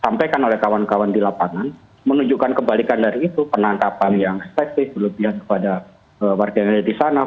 sampaikan oleh kawan kawan di lapangan menunjukkan kebalikan dari itu penangkapan yang spektif berlebihan kepada warga yang ada di sana